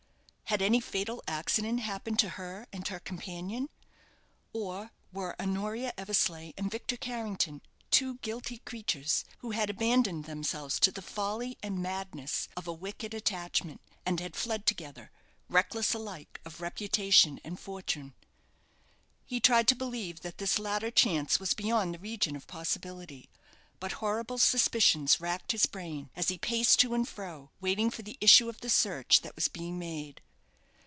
Had any fatal accident happened to her and her companion? or were Honoria Eversleigh and Victor Carrington two guilty creatures, who had abandoned themselves to the folly and madness of a wicked attachment, and had fled together, reckless alike of reputation and fortune? He tried to believe that this latter chance was beyond the region of possibility; but horrible suspicions racked his brain as he paced to and fro, waiting for the issue of the search that was being made.